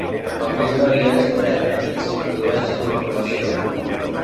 El clima hi és fred, i s'hi produeixen inflamacions.